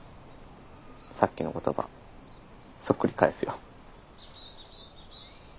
さっきの言葉そっくり返すよ。